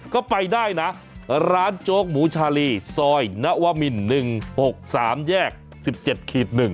ก็ไปได้นะร้านโจ๊กหมูชาลีซอยนวมิน๑๖๓แยก๑๗๑